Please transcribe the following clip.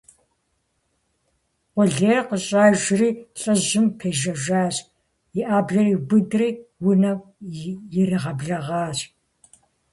Къулейр къыщӀэжри лӀыжьым пежэжьащ, и Ӏэблэр иубыдри унэм иригъэблэгъащ.